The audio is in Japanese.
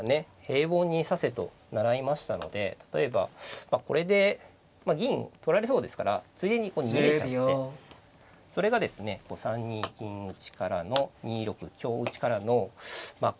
平凡に指せと習いましたので例えばこれで銀取られそうですからついでにこう逃げちゃってそれがですね３二金打からの２六香打からのまあ